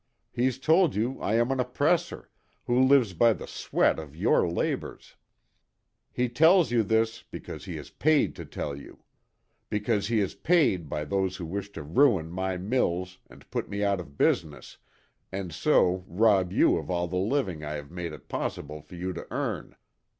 He's told you I am an oppressor, who lives by the sweat of your labors. He tells you this because he is paid to tell you. Because he is paid by those who wish to ruin my mills, and put me out of business, and so rob you all of the living I have made it possible for you to earn.